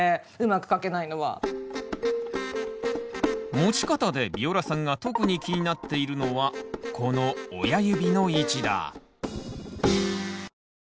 持ち方でビオラさんが特に気になっているのはこの親指の位置だ。